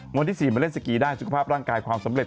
วันที่๔มาเล่นสกีได้สุขภาพร่างกายความสำเร็